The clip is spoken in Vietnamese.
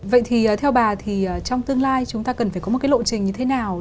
vậy thì theo bà thì trong tương lai chúng ta cần phải có một cái lộ trình như thế nào